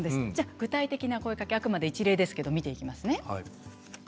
具体的な声かけ、あくまで一例ですが見ていきますね。